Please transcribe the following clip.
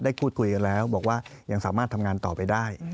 พูดคุยกันแล้วบอกว่ายังสามารถทำงานต่อไปได้